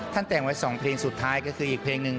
แต่งไว้๒เพลงสุดท้ายก็คืออีกเพลงหนึ่ง